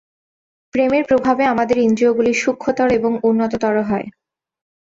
প্রেমের প্রভাবে আমাদের ইন্দ্রিয়গুলি সূক্ষ্মতর এবং উন্নততর হয়।